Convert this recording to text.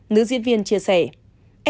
nữ diễn viên chia sẻ